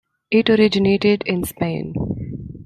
It originated in Spain.